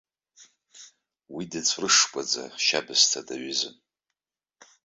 Уи дыҵәрышкәаӡа, ашьабсҭа даҩызан.